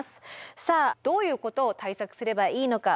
さあどういうことを対策すればいいのか。